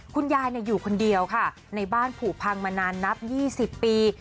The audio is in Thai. คุณยายอยู่คนเดียวค่ะในบ้านผูพังมานานนับ๒๐ปี